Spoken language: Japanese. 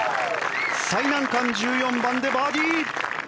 最難関、１４番でバーディー！